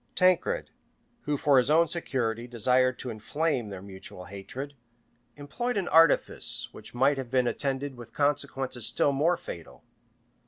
Tancred, who for his own security desired to inflame their mutual hatred, employed an artifice which might have been attended with consequences still more fatal.